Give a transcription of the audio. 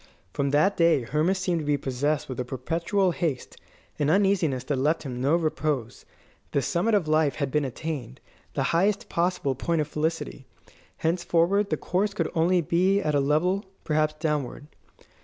From that day Hermas seemed to be possessed with a perpetual haste, an uneasiness that left him no repose. The summit of life had been attained, the highest possible point of felicity. Henceforward the course could only be at a level perhaps downward.